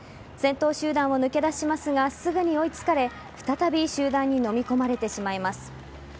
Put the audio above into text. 先頭集団を抜け出しますがすぐに追いつかれ再び集団にのみ込まれてしまいます。